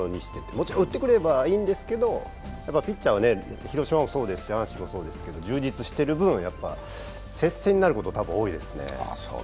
もちろん打ってくれればいいんですけれども、ピッチャーは広島もそうですし阪神もそうですし、充実してる分やっぱ、接戦になること多分、多いですね。